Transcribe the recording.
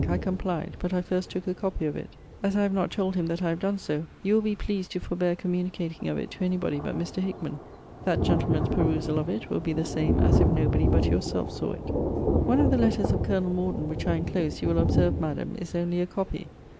I complied; but I first took a copy of it. As I have not told him that I have done so, you will be pleased to forbear communicating of it to any body but Mr. Hickman. That gentleman's perusal of it will be the same as if nobody but yourself saw it. One of the letters of Colonel Morden, which I enclose, you will observe, Madam, is only a copy.